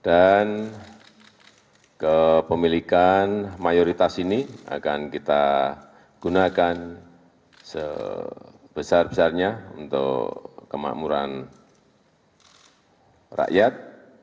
dan kepemilikan mayoritas ini akan kita gunakan sebesar besarnya untuk kemakmuran rakyat